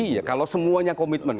iya kalau semuanya komitmen